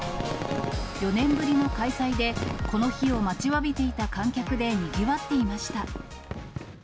４年ぶりの開催で、この日を待ちわびていた観客でにぎわっていました。